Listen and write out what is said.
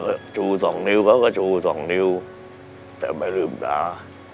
ก็ชูสองนิ้วเขาก็ชูสองนิ้วแต่ไม่ลืมตา